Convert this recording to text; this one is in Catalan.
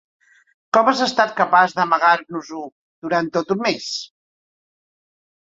¿Com has estat capaç d'amagar-nos-ho durant tot un mes?